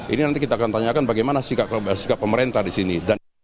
ini nanti kita akan tanyakan bagaimana sikap pemerintah di sini